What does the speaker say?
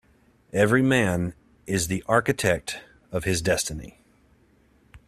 Every man is the architect of his destiny.